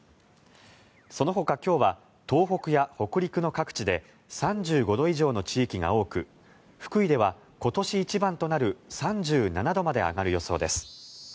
そのほか今日は東北や北陸の各地で３５度以上の地点が多く福井では今年一番となる３７度まで上がる予想です。